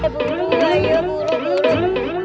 eh burung lah ya burung burung